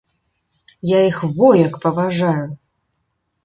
Я іх во як паважаю!